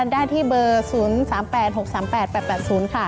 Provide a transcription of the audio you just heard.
ได้ที่เบอร์๐๓๘๖๓๘๘๘๐ค่ะ